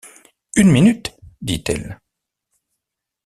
Une minute! dit-elle.